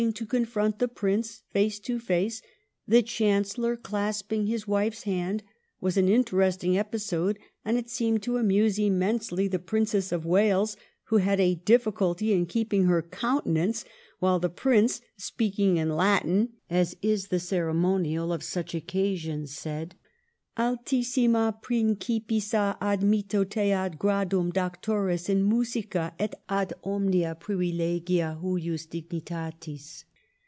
to confront the Prince face to face, the Chancellor clasping his wife's hand, was an interesting episode, and it seemed to amuse immensely the Princess of Wales, who had a diffi culty in keeping her countenance while the Prince, speaking in Latin, as is the ceremonial of such occasions, said, 'Altissima Principissa, admitto te ad gradum doctoris in musica et ad omnia privi legia hujus dignitatis.'